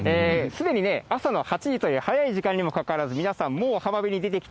すでに朝の８時という早い時間にもかかわらず、皆さん、もう浜辺に出てき